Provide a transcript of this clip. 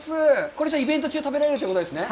これじゃあイベント中、食べられるということですか？